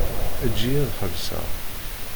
Eǧǧ-iyi ad xelṣeɣ.